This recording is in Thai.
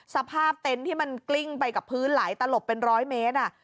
สภาพเต็นท์ที่มันกลิ้งไปกับพื้นหลายตะหลบเป็น๑๐๐เมตร